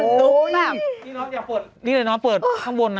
นี่น้องอยากเปิดนี่เลยน้องเขาเปิดข้างบนอ่ะ